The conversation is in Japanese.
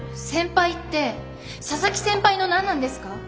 先輩って佐々木先輩の何なんですか？